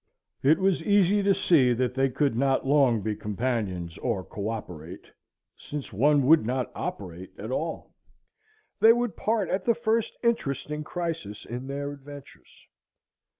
It was easy to see that they could not long be companions or coöperate, since one would not operate at all. They would part at the first interesting crisis in their adventures.